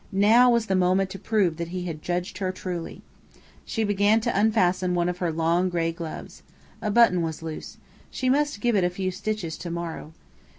Now was the moment to prove that he had judged her truly! She began to unfasten one of her long gray gloves. A button was loose. She must give it a few stitches to morrow.